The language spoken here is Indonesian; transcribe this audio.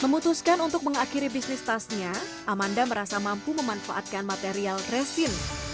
memutuskan untuk mengakhiri bisnis tasnya amanda merasa mampu memanfaatkan material resin